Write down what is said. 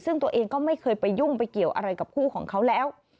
ซึ่งตัวเองก็ไม่เคยไปยุ่งไปเกี่ยวอะไรกับคู่ของเขาแล้ว